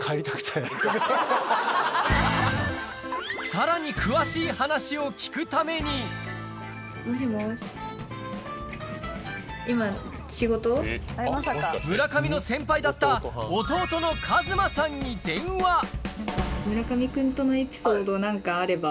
さらに詳しい話を聞くために村上の先輩だった弟の和真さんに電話！なんかあれば。